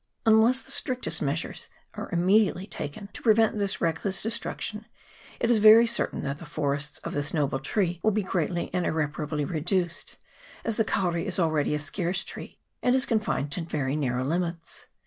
Unless the strictest measures are immediately taken to prevent this reckless destruc tion, it is very certain that the forests of this noble tree will be greatly and irreparably reduced, as the kauri is already a scarce tree, and is confined to very narrow limits.